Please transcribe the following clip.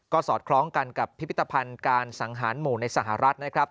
ก็สอดคล้องกันกับพิพิธภัณฑ์การสังหารหมู่ในสหรัฐนะครับ